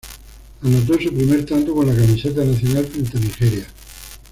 Anotó su primer tanto con la camiseta nacional frente a Nigeria.